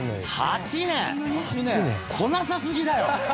８年⁉来なさ過ぎだよ！